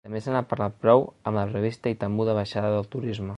També se n’ha parlat prou, amb la prevista i temuda baixada del turisme.